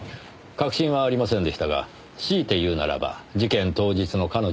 確信はありませんでしたが強いて言うならば事件当日の彼女の言葉。